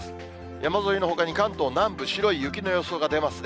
山沿いのほかに、関東南部、白い雪の予想が出ますね。